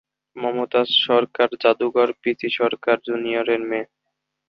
মমতাজ সরকার যাদুকর পিসি সরকার জুনিয়রের মেয়ে।